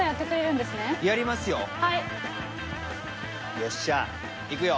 よっしゃ行くよ。